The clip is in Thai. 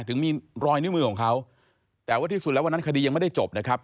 ถึงมีรอยนิ้วมือของเขาแต่ว่าที่สุดแล้ววันนั้นคดียังไม่ได้จบนะครับ